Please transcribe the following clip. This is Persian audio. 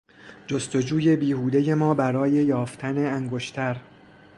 جستجوی بیهودهی ما برای یافتن انگشتر